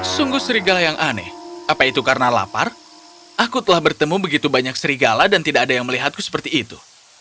sungguh serigala yang aneh apa itu karena lapar aku telah bertemu begitu banyak serigala dan tidak ada yang melihatku seperti itu